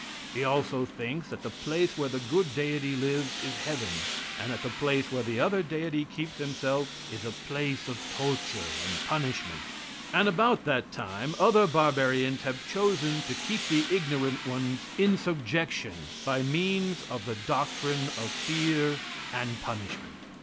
He also thinks that the place where the good deity lives is heaven, and that the place where the other deity keeps himself is a place of torture and punishment. And about that time other barbarians have chosen too keep the ignorant ones in subjection by means of the doctrine of fear and punishment.